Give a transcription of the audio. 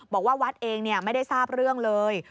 บอกว่าวัดเองไม่ได้ทราบเรื่องเลย